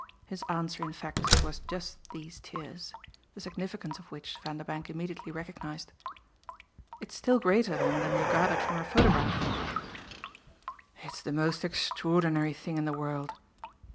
His answer in fact was just these tears, the significance of which Vanderbank immediately recognised. "It's still greater then than you gathered from her photograph?" "It's the most extraordinary thing in the world.